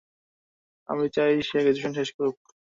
আমি চাই সে গ্রাজুয়েশন শেষ করুক।